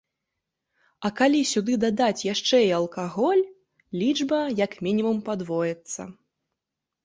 А калі сюды дадаць яшчэ і алкаголь, лічба як мінімум падвоіцца.